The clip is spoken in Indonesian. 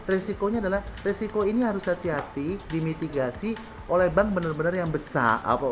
risikonya adalah risiko ini harus hati hati dimitigasi oleh bank bener bener yang besar